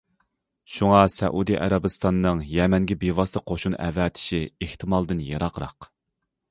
شۇڭا سەئۇدى ئەرەبىستاننىڭ يەمەنگە بىۋاسىتە قوشۇن ئەۋەتىشى ئېھتىمالدىن يىراقراق.